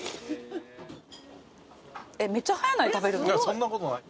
そんなことない。